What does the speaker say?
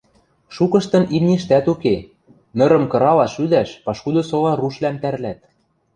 Шукыштын имништӓт уке, нырым кыралаш-ӱдӓш пашкуды сола рушвлӓм тӓрлӓт.